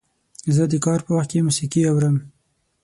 زه د کار په وخت کې موسیقي اورم.